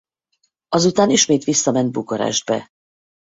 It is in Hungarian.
Azután ismét visszament Bukarestbe.